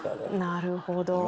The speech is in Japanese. なるほど。